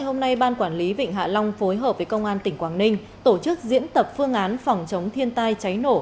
hôm nay ban quản lý vịnh hạ long phối hợp với công an tỉnh quảng ninh tổ chức diễn tập phương án phòng chống thiên tai cháy nổ